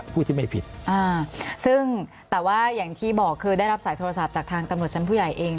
ผู้ที่ไม่ผิดอ่าซึ่งแต่ว่าอย่างที่บอกคือได้รับสายโทรศัพท์จากทางตำรวจชั้นผู้ใหญ่เอง